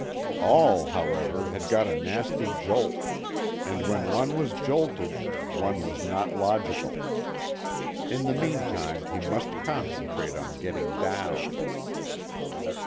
All, however, had got a nasty jolt, and when one was jolted one was not logical. In the meantime, he must concentrate on getting down.